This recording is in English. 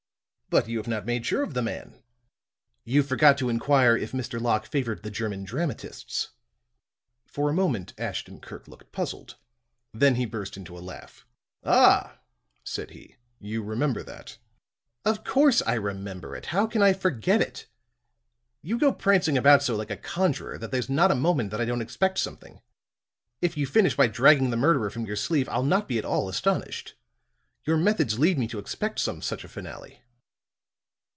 But you have not made sure of the man. You forgot to inquire if Mr. Locke favored the German dramatists." For a moment Ashton Kirk looked puzzled, then he burst into a laugh. "Ah," said he, "you remember that." "Of course I remember it. How can I forget it? You go prancing about so like a conjurer that there's not a moment that I don't expect something. If you finish by dragging the murderer from your sleeve, I'll not be at all astonished. Your methods lead me to expect some such a finale."